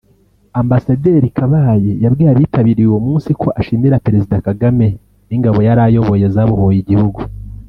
Ambasaderi Kabale yabwiye abitabiriye uwo munsi ko ashimira Perezida Kagame n’ingabo yari ayoboye zabohoye igihugu